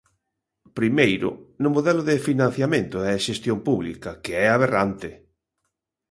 Primeiro, no modelo de financiamento e xestión pública, que é aberrante.